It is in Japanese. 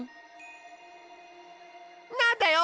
なんだよ！